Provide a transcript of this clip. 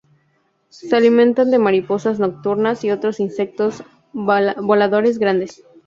Se alimentan de mariposas nocturnas y otros insectos voladores grandes.